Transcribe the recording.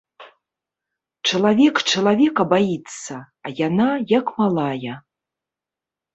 Чалавек чалавека баіцца, а яна, як малая.